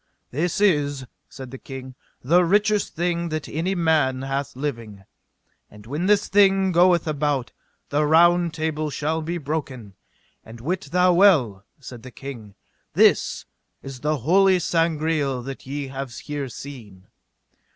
This is, said the king, the richest thing that any man hath living. And when this thing goeth about, the Round Table shall be broken; and wit thou well, said the king, this is the holy Sangreal that ye have here seen.